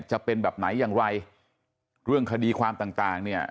จะเป็นแบบไหนอย่างไรเรื่องคดีความต่างต่างเนี่ย